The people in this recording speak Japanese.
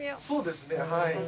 そうですねはい。